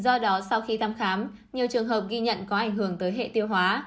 do đó sau khi thăm khám nhiều trường hợp ghi nhận có ảnh hưởng tới hệ tiêu hóa